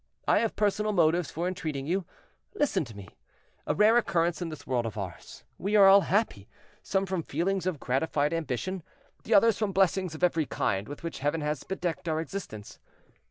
I have personal motives for entreating you. Listen to me; a rare occurrence in this world of ours, we are all happy, some from feelings of gratified ambition, the others from blessings of every kind with which Heaven has bedecked our existence.